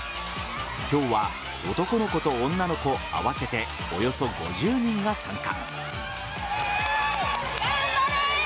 今日は男の子と女の子合わせておよそ５０人が参加。